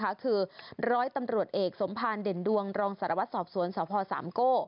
คือร้อยตำรวจเอกสมภารเด่นดวงรองสารวัตรสอบสวนสพสามโก้